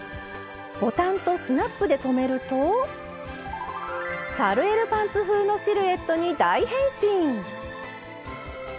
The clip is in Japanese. ボタンとスナップで留めるとサルエルパンツ風のシルエットに大変身！